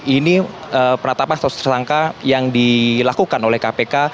ini penetapan status tersangka yang dilakukan oleh kpk